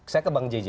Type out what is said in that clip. saya ke bang jj